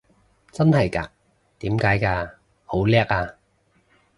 真係嘎？點解嘅？好叻啊！